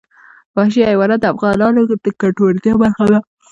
وحشي حیوانات د افغانانو د ګټورتیا برخه ده.